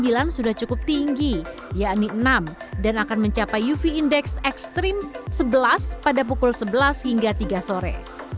sembilan sudah cukup tinggi yakni enam dan akan mencapai uv index ekstrim sebelas pada pukul sebelas hingga tiga sore